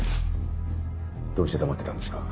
どうして黙ってたんですか？